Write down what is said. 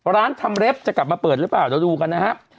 ร้านทำเล็บจะกลับมาเปิดหรือเปล่าเราดูกันนะฮะ